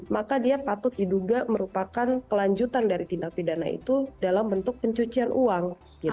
maka dia patut diduga merupakan kelanjutan dari tindak pidana itu dalam bentuk pencucian uang